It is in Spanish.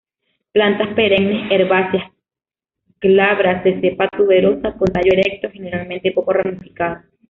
Plantas perennes, herbáceas, glabras de cepa tuberosa, con tallo erecto, generalmente poco ramificado.